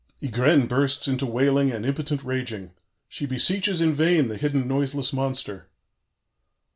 "Ygraine bursts into wailing and impotent raging. She beseeches in vain the hidden, noiseless monster....